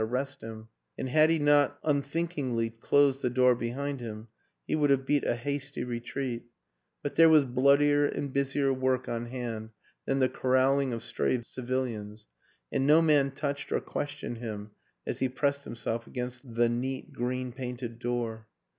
rrest him, and had he not unthinkingly closed the door behind him he would have beat a hasty retreat; but there was bloodier and busier work on hand than the corraling of stray civilians, and no man touched or questioned him as he pressed himself against the neat green painted door.